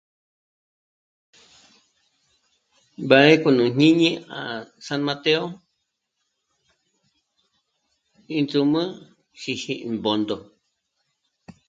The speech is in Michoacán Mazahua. Mbá'e k'o à jñíni à San Mateo índzùm'ü jíji Mbṑndo